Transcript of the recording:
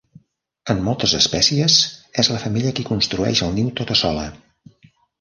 En moltes espècies, és la femella qui construeix el niu tota sola.